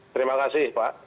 terima kasih pak